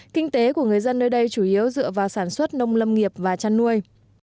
kinh tế của người dân nơi đây chủ yếu dựa vào sản xuất nông lâm nghiệp và chăn nuôi